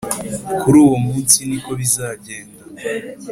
Kuri uwo munsi ni ko bizagenda